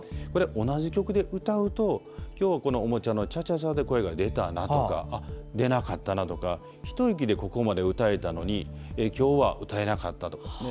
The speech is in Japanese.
同じ曲で歌うと今日は、この「おもちゃのチャチャチャ」で声が出たなとか出なかったなとか一息でここまで歌えたのに今日は歌えなかったとかですね